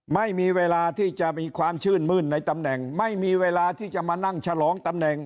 ไม่มีเวลาที่จะมีความชื่นมื้นในตำแหน่งไม่มีเวลาที่จะมานั่งฉลองตำแหน่ง